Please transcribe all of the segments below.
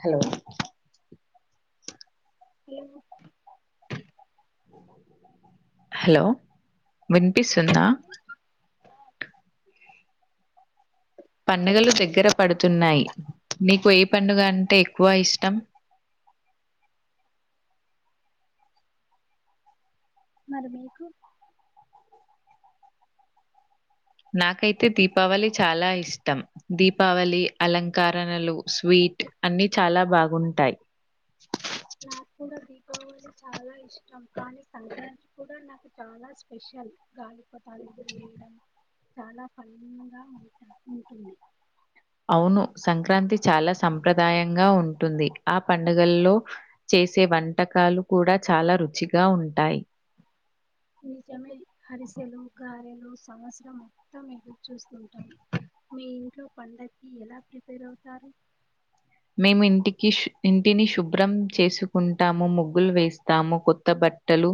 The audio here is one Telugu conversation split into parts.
హలో హలో హలో వినివిస్తుందా పండుగలు దగ్గర పడుతున్నాయి నీకు ఏ పండుగ అంటే ఎక్కువ ఇష్టం మరి మీకు నాకైతే దీపావళి చాలా ఇష్టం దీపావళి అలంకారణలు స్వీట్ ట్ అన్ని చాలా బాగుంటాయి నాకు కూడా దీపావళి చాలా ఇష్టం కానీ సంక్రాంతి కూడా నాకు చాలా స్పెషల్ గాలీ పతాలు ఎగిరి వేయడం చాలా ఫలింగా ఉంటా ఉంటుంది అవును సంక్రాంతి చాలా సంప్రదాయంగా ఉంటుంది ఆ పండుగల్లో చేసే వంటకాలు కూడా చాలా రుచిగా ఉంటాయి నిజమే ఆరిసెలు గారెలు సంవత్సరం మొత్తం ఎదురు చూస్తుంటాం మీ ఇంట్లో పండగకి ఎలా ప్రిపేర్ అవుతారు మేము ఇంటికి ఇంటిని శుభ్రం చేసుకుంటాము ముగ్గులు వేస్తాము కొత్త బ ట్టలు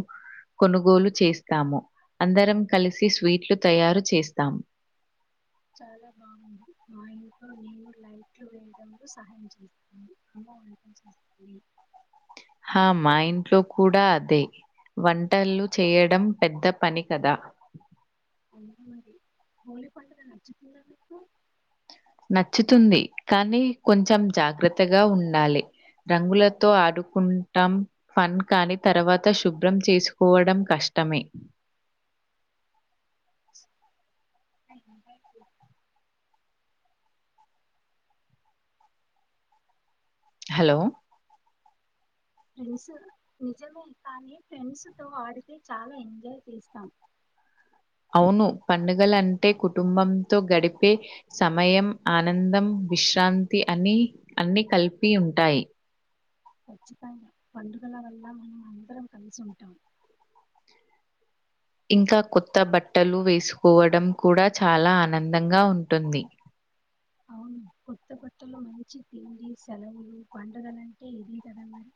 కొనుగోలు చేస్తాము అందరం కలిసి స్వీట్లు తయారు చేస్తాము చాలా బాగుంది మా ఇంట్లో నేను లైట్లు వేయడంలో సహాయం చేస్తాను వంట చేస్తుంది హా మా ఇంట్లో కూడా అదే వంటలు చేయడం పెద్ద పని కదా మా హోలీ పండుగ నచ్చుతుందా మీకు నచ్చుతుంది కానీ కొంచెం జాగ్రత్తగా ఉండాలి రంగులతో ఆడుకుంటాం ఫన్ కాని తర్వాత శుభ్రం చేసుకోవడం కష్టం టమే ఆ హలో ఫ్రెండ్స్ నిజమే కానీ ఫ్రెండ్స్ తో ఆడితే చాలా ఎంజాయ్ చేస్తాం అవును పండుగల అంటే కుటుంబంతో గడిపే సమయం ఆనందం విశ్రాంతి అని అన్ని కలిపి ఉంటాయి ఖచ్చితంగా పండుగల వల్ల మనం అందరం కలిసి ఉంటాం ఇంకా కొత్త బట్టలు వేసుకోవడం కూడా చాలా ఆనందంగా ఉంటుంది అవును కొత్త భట్టలు మనించి తిండి సెలవులు పండుగలంటే ఇది కదన్నారు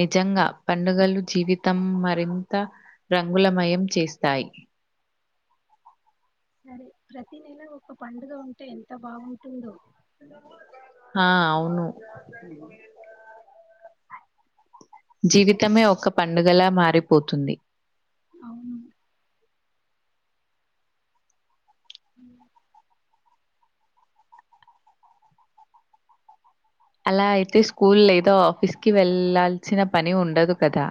నిజంగా పండుగలు జీవితం మరింత రంగులమయం చేస్తాయి సరే ప్రతి నెల ఒక పండుగ ఉంటే ఎంత బాగుంటుందో హా అవును జీవితమే ఒక్క పండుగలా మారిపోతుంది అవును అ అలా అయితే స్కూల్ ఏదో ఆఫీస్ కి వెళ్లాల్సిన పని ఉండదు కదా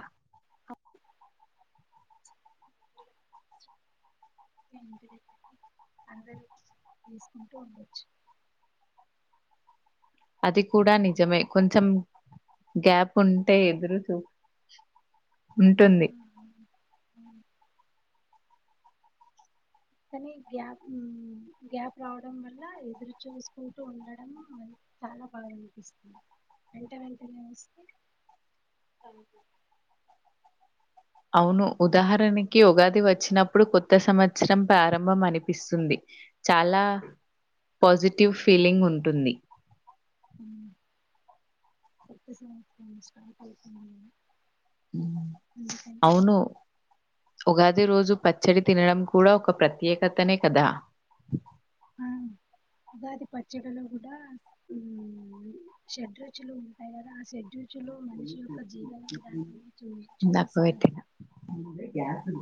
వీలైతే అందరూ తీసుకుంటూ ఉండొచ్చు అది కూడా నిజమే కొంచం గ్యాప్ ఉంటే ఎదురు చూ ఉంటుంది ఆ, అవును, అవును. కానీ గ్యాప్ గ్యాప్ రావడం వల్ల ఎదురు చూసుకుంటూ ఉండడం చాలా బాగా అనిపిస్తుంది వెంట వెంటనే వస్తే అంతీ అవును ఉదాహరణకి ఉగాది వచ్చినప్పుడు కొత్త సంవత్సరం ప్రారంభం అనిపిస్తుంది చాలా పాజిటివ్ ఫీలింగ్ ఉంటుంది ఉ ఒకసారి ఇన్స్పిట్ అయ్యిపోయిన ఉ అవును ఉగాది రోజు పచ్చడి తినడం కూడా ఒక ప్రత్యేకతనే కదా ఆ ఉగాది పచ్చడిలో కూడా ఉ షెడ్ రుచులు ఉంటాయి కదా ఆ షేడ్ చూచులో మనిషి యొక్క జీవన విధానాన్ని చూ చూయిస్తారు గ్యాసు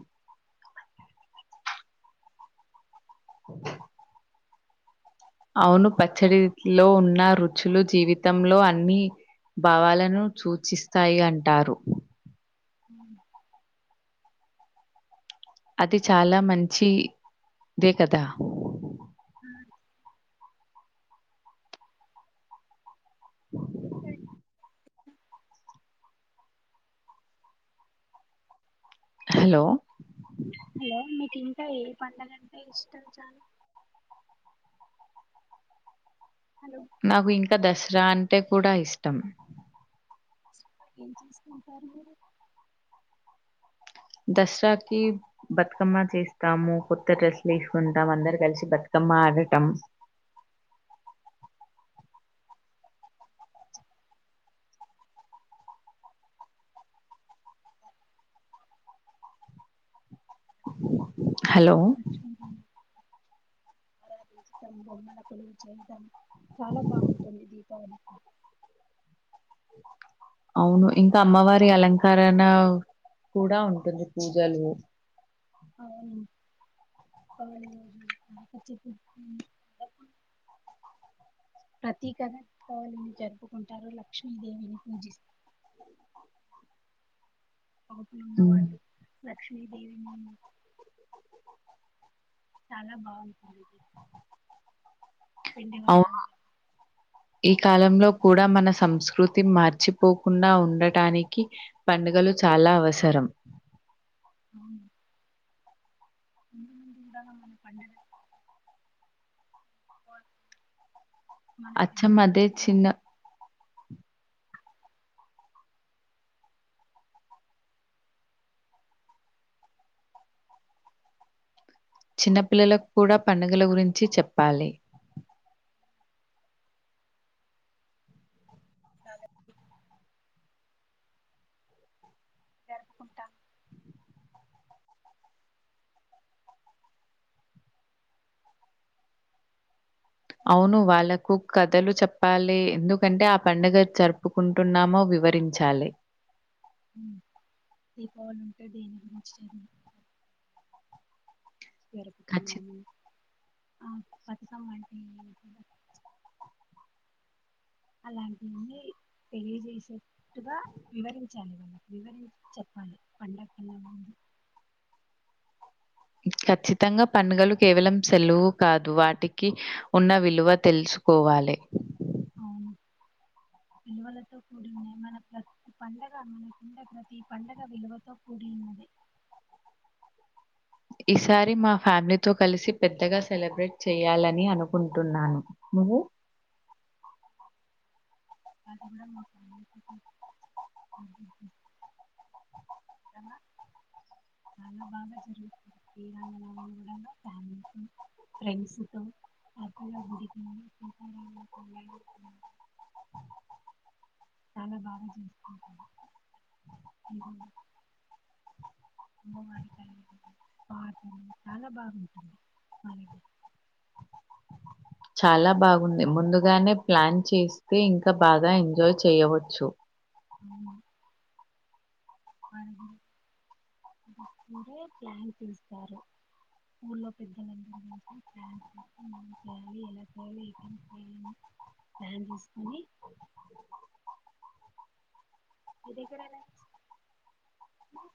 అవును పచ్చడిలో ఉన్న రుచులు జీవితంలో అన్ని భావాలను సూచిస్తాయి అంటారు ఉ అది చాలా మంచి ఇదే కదా ఉంటాయి హలో హలో మీకు ఇంకా ఏ పండగ అంటే ఇష్టం చాల హలో నాకు ఇంకా దసరా అంటే కూడా ఇష్టం ఏం చేసుకుంటారు మీరు దసరాకి బతుకమ్మ చేస్తాము కొత్త డ్రెస్లు వేసుకుంటాం అందరు కలిసి బతుక మ్మ ఆడటం [unintelligible] హలో జితం బొమ్మల కొలువు చేయటం చాలా బాగుంటుంది దీపావళి అవును ఇంకా అమ్మవారి అలంకారణ కూడా ఉంటుంది పూజలు అవును [unintelligible] ప్రత్యేకంగా దీపావళిని జరుపుకుంటారు లక్ష్మీదేవిని పూజిసు ఒపులు ఉమ్, ఉన్నవాళ్ళు లక్ష్మీదేవిని చాలా బాగుంటుంది పిండి అవును వంటలు ఈ కాలంలో కూడా మన సంస్కృతి మర్చిపోకుండా ఉండటానికి పండు గలు చాలా అవసరం ఇందా మా పండుగ దీపావళి అచ్చమ్మదే చిన్న చిన్నపిల్లలకు కూడా పండుగల గురించి చెప్పాలి సాలేపు జరుపుకుంటా ఇంకా అవును వాళ్ళకుక్ కథలు చెప్పాలి ఎందుకంటే ఆ పండుగ జరుపుకుంటున్నామో వివరించాలి దీపావళి ఉంటే దేని గురించి జరు కథ చెప్ ఆ పతకం అంటే అలాంటి ఇన్ని తెలియజేసేట్టుగా వివరించాలి వాళ్ళకి వివరించి చెప్పాలి పండగ కన్నా ముందు ఖచ్చితంగా పడుగలు కేవలం సెలవు కాదు వాటికి ఉన్న విలువ తెలుస్ కోవాలే అవును విలువలతో కూడి ఉన్నాయి మన ప్రతి పండగ మన కున్న ప్రతి పండగ విలువతో కూడి ఉన్నది ఈసారి మా ఫ్యామిలీతో కలిసి పెద్దగా సెలబ్రేట్ చెయాలని అనుకుంటున్నాను నువ్వు అంద రమా చాలా బాగా జరుగుతుంది కీడా [unintelligible] ఫ్రెండ్స్ తో [inaudible] చాలా బాగా చేసుకుం [unintelligible] చాలా బాగుంటుంది చాలా బాగుంది ముందుగానే ప్లాన్ చేస్తే ఇంకా బాగా ఎంజాయ్ చేయవచ్చు హ్ ది కూడా ప్లాన్ తీస్తారు ఊర్లో పెద్దలందరి నుంచి ప్లాన్స్ చేసి ఏం చేయాలి ఎలా చేయాలి ఏమేం చేయాలని ప్లాన్ తీసుకొని మీ దెగ్గర ఎలా చే